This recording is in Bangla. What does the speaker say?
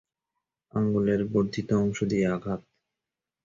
আঙ্গুলের বর্ধিত অংশ দিয়ে আঘাত।